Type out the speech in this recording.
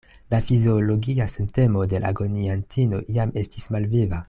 La fiziologia sentemo de l' agoniantino jam estis malviva.